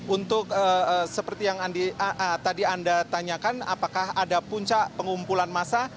untuk seperti yang tadi anda tanyakan apakah ada puncak pengumpulan massa